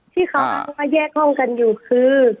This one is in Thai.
ที่เขาเอามาแยกห้องกันอยู่คือ